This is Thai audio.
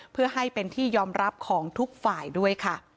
เพื่อให้เป็นที่ยอมรับของทุกฝ่ายด้วยค่ะ